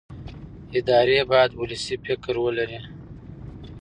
ادارې باید ولسي فکر ولري